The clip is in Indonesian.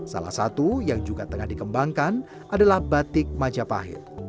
salah satu yang juga tengah dikembangkan adalah batik majapahit